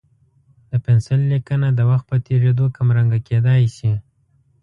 د پنسل لیکنه د وخت په تېرېدو کمرنګه کېدای شي.